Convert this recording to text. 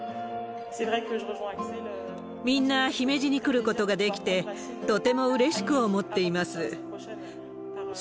みんな、姫路に来ることができて、とてもうれしく思っています。